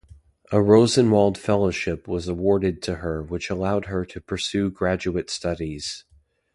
A Rosenwald Fellowship was awarded to her which allowed her to pursue graduate studies.